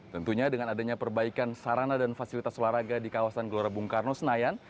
tentunya dengan adanya perbaikan sarana dan fasilitas waraga di kawasan gbk senayan